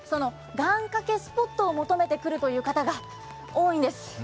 願かけスポットを求めて来るという方が多いんです。